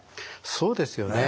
そうですよね。